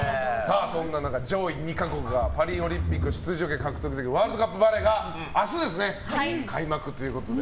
そんな中、上位２か国がパリオリンピック出場権を獲得できるワールドカップバレーが明日、開幕ということで。